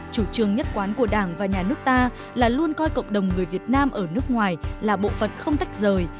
chủ trương nhất quán của đảng và nhà nước ta là luôn coi cộng đồng người việt nam ở nước ngoài là bộ phận không tách rời